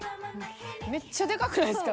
めっちゃデカくないですか？